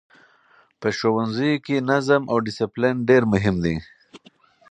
په ښوونځیو کې نظم او ډسپلین ډېر مهم دی.